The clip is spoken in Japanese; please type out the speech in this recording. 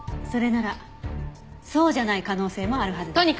それならそうじゃない可能性もあるはずです。